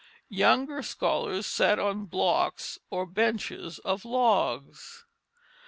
Younger scholars sat on blocks or benches of logs.